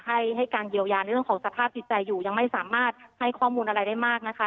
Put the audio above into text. ให้ให้การเยียวยาในเรื่องของสภาพจิตใจอยู่ยังไม่สามารถให้ข้อมูลอะไรได้มากนะคะ